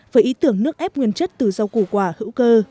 với ý tưởng nước ép nguyên chất từ rau củ quả hữu cơ